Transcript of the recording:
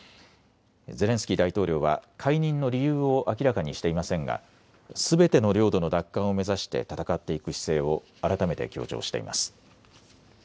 ゼレンスキー大統領は解任の理由を明らかにしていませんがすべての領土の奪還を目指して戦っていく姿勢を改めて強調しています。